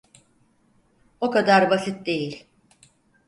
O kadar basit değil.